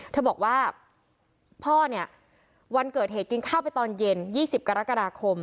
เธอบอกว่าพ่อเนี่ยวันเกิดเหตุกินข้าวไปตอนเย็น๒๐กรกฎาคม